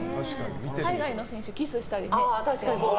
海外の選手はキスしたりね。